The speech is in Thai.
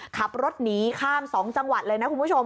ขับรถหนีข้าม๒จังหวัดเลยนะคุณผู้ชม